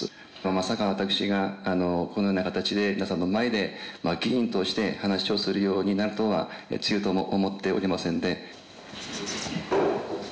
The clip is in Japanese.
まさか私がこのような形で皆さんの前で議員として話をするようになるとはつゆとも思っておりませんで。